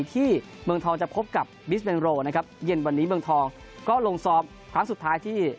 ที่เมืองทองจะพบกับบิสเบนโรนะครับเย็นวันนี้เมืองทองก็ลงซ้อมครั้งสุดท้ายที่